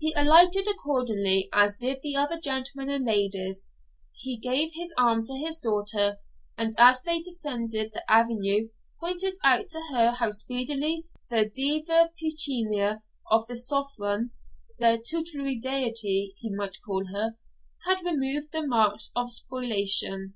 He alighted accordingly, as did the other gentlemen and ladies; he gave his arm to his daughter, and as they descended the avenue pointed out to her how speedily the 'Diva Pecunia of the Southron their tutelary deity, he might call her had removed the marks of spoliation.'